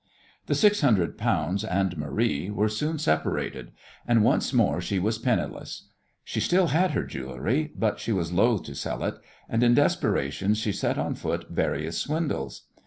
The six hundred pounds and Marie were soon separated, and once more she was penniless. She still had her jewellery, but she was loath to sell it, and in desperation she set on foot various swindles.